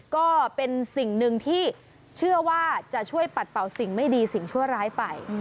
ก็เป็นสิ่งหนึ่งที่เชื่อว่าจะช่วยปัดเป่าสิ่งไม่ดีสิ่งชั่วร้ายไป